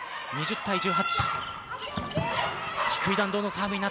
２０対１８。